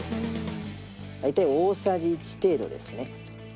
大体大さじ１程度ですね。